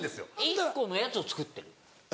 １個のやつを作ってる？